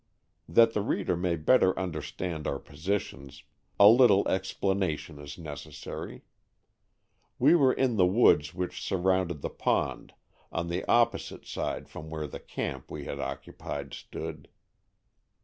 That the reader may better under stand our positions, a little explanation is necessary. We were in the woods which surrounded the pond, on the oppo 63 Stories from the Adirondacks. site side from where the camp we had occupied stood.